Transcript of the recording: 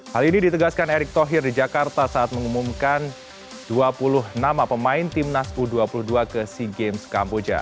hal ini ditegaskan erick thohir di jakarta saat mengumumkan dua puluh nama pemain timnas u dua puluh dua ke sea games kamboja